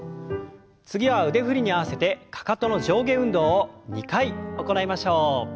次は腕振りに合わせてかかとの上下運動を２回行いましょう。